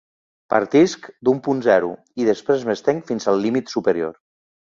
Partisc d'un punt zero i després m'estenc fins al límit superior.